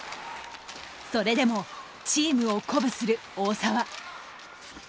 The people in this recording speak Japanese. それでもチームを鼓舞する大澤。